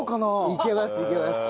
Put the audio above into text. いけますいけます。